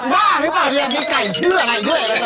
บ้าหรือเปล่าเนี่ยมีไก่ชื่ออะไรด้วย